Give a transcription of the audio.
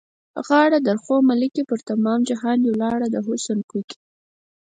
غاړه؛ آ، درخو ملکې! پر تمام جهان دې ولاړې د حُسن کوکې.